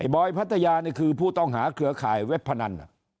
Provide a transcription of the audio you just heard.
บอยพัทยานี่คือผู้ต้องหาเครือข่ายเว็บพนัน